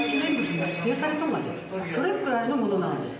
それくらいのものなんです。